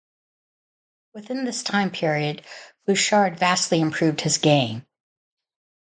Within this time period, Bouchard vastly improved his game.